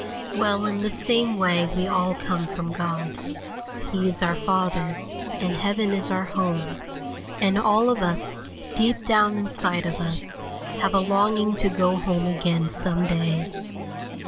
Well, in the same way we all come from God; He is our Father, and heaven is our home, and all of us, deep down inside of us, have a longing to go home again some day.